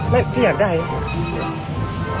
ไม่พี่อยากได้อ่ะ